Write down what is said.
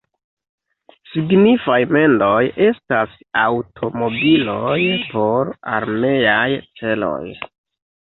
Signifaj mendoj estas aŭtomobiloj por armeaj celoj.